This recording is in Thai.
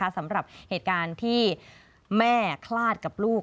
สำหรับเหตุการณ์ที่แม่คลาดกับลูก